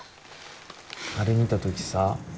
あれ見た時さ